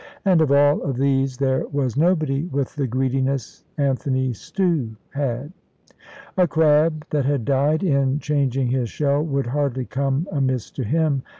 And of all of these there was nobody with the greediness Anthony Stew had. A crab that had died in changing his shell would hardly come amiss to him.